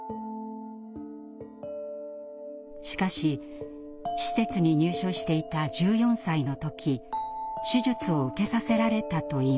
しかし施設に入所していた１４歳の時手術を受けさせられたといいます。